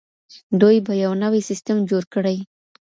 دوی به يو نوی سيستم جوړ کړي.